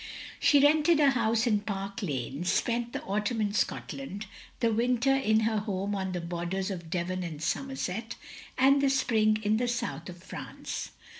She rented a house in Park Lane, spent the auttmm in Scotland, the winter in her home on the borders of Devon and Somerset, and the spring in the south of France.